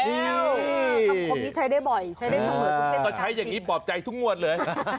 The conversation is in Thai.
คำคมนี้ใช้ได้บ่อยใช้ได้เสมอทุกเส้นก็ใช้อย่างนี้ปลอบใจทุกงวดเลย